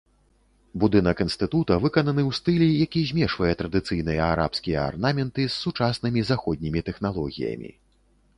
Будынак інстытута выкананы ў стылі, які змешвае традыцыйныя арабскія арнаменты з сучаснымі заходнімі тэхналогіямі.